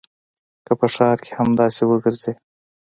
که په ښار کښې همداسې وګرځې.